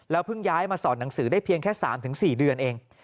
เพิ่งย้ายมาสอนหนังสือได้เพียงแค่๓๔เดือนเอง